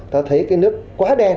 ta thấy cái nước quá đen